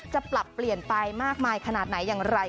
จะปรับเปลี่ยนไปมากมายขนาดไหนอย่างไร